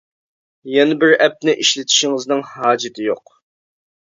يەنە بىر ئەپنى ئىشلىتىشىڭىزنىڭ ھاجىتى يوق.